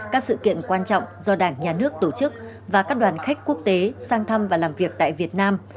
các sự kiện quan trọng do đảng nhà nước tổ chức và các đoàn khách quốc tế sang thăm và làm việc tại việt nam